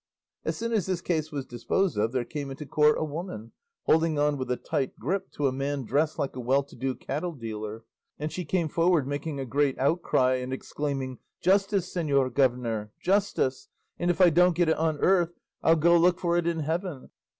As soon as this case was disposed of, there came into court a woman holding on with a tight grip to a man dressed like a well to do cattle dealer, and she came forward making a great outcry and exclaiming, "Justice, señor governor, justice! and if I don't get it on earth I'll go look for it in heaven.